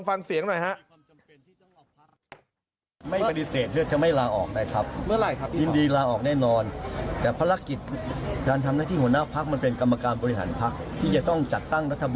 อ่าหลายคนนะครับเพราะเคยลั่นวาจาเอาไว้เหมือนกันนี่นะครับ